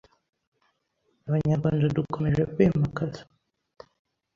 Abanyarwanda dukomeje kwimakaza